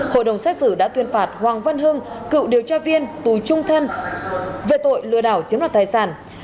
hội đồng xét xử đã tuyên phạt hoàng văn hưng cựu điều tra viên tù trung thân về tội lừa đảo chiếm đoạt tài sản